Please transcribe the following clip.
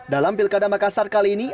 dalam pilkada makassar kali ini